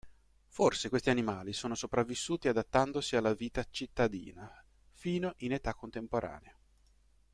Forse questi animali sono sopravvissuti adattandosi alla vita "cittadina" fino in età contemporanea.